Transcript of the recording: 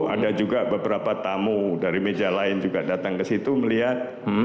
ada juga beberapa tamu dari meja lain juga datang ke situ melihat